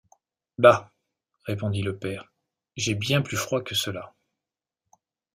Bah! répondit le père, j’ai bien plus froid que cela.